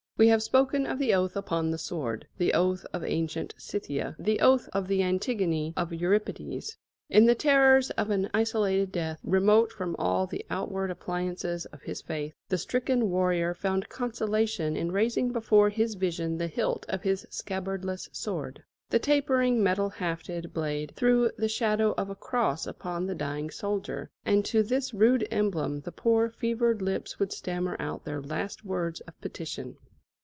We have spoken of the oath upon the sword the oath of ancient Scythia, the oath of the Antigone of Euripedes. In the terrors of an isolated death, remote from all the outward appliances of his faith, the stricken warrior found consolation in raising before his vision the hilt of his scabbardless sword. The tapering metal hafted blade threw the shadow of a cross upon the dying soldier, and to this rude emblem the poor fevered lips would stammer out their last words of petition.